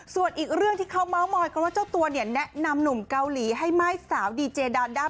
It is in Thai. ส่วนอีกเรื่องที่เขาเมาส์มอยเพราะว่าเจ้าตัวเนี่ยแนะนำหนุ่มเกาหลีให้ม่ายสาวดีเจดานด้า